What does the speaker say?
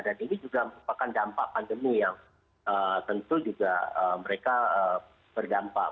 ini juga merupakan dampak pandemi yang tentu juga mereka berdampak